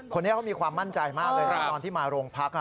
คนนี้เขามีความมั่นใจมากเลยนะตอนที่มาโรงพัก